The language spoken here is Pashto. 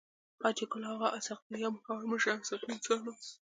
حاجي ګل اغا اسحق زی يو مخور مشر او سخي انسان وو.